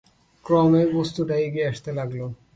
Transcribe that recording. ক্রমে বস্তুটা এগিয়ে আসতে লাগল।